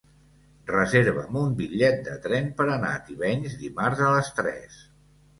Reserva'm un bitllet de tren per anar a Tivenys dimarts a les tres.